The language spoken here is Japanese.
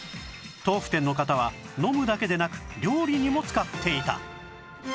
豆腐店の方は飲むだけでなく料理にも使っていた